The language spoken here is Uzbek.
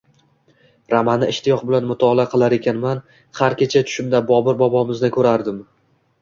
Romanni ishtiyoq bilan mutolaa qilar ekanman, har kecha tushimda Bobur bobomizni ko`rardim